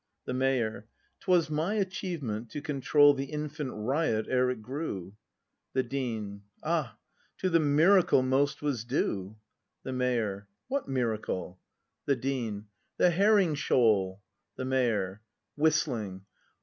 The Mayor. 'Twas my achievement, to control The infant riot ere it grew. The Dean. Ah, to the miracle most was due. The Mayor. What miracle? ACT V] BRAND 283 The Dean. The herrinff shoal ! "to The Mayor. [Whistling.